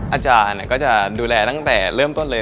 อาจารย์ก็จะดูแลตั้งแต่เริ่มต้นเลย